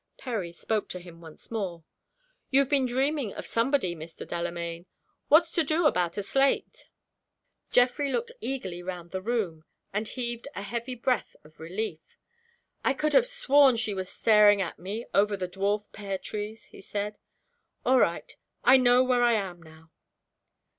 Perry spoke to him once more. "You've been dreaming of somebody, Mr. Delamayn. What's to do about a slate?" Geoffrey looked eagerly round the room, and heaved a heavy breath of relief. "I could have sworn she was staring at me over the dwarf pear trees," he said. "All right, I know where I am now."